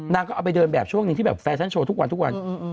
นางก็เอาไปเดินแบบช่วงหนึ่งที่แบบแฟชั่นโชว์ทุกวันทุกวัน